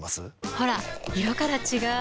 ほら色から違う！